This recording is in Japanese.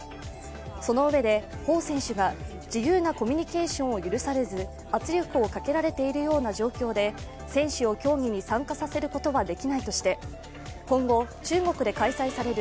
その上で、彭選手が自由なコミュニケーションを許されず圧力をかけられているような状況で選手を競技に参加させることはできないとして、今後、中国で開催される